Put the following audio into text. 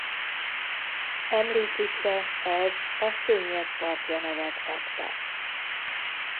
Emlékükre ez a Könnyek Parkja nevet kapta.